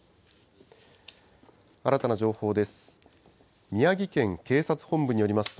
新たな情報です。